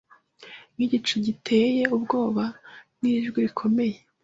nkigicu giteye ubwoba Nijwi rikomeye